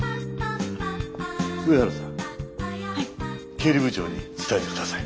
経理部長に伝えて下さい。